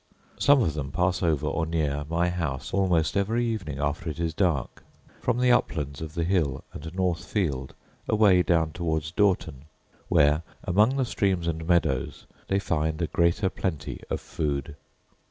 Some of them pass over or near my house almost every evening after it is dark, from the uplands of the hill and North field, away down towards Dorton; where, among the streams and meadows, they find a greater plenty of food.